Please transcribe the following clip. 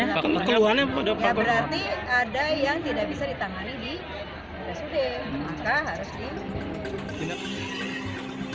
ya berarti ada yang tidak bisa ditangani di rsud maka harus di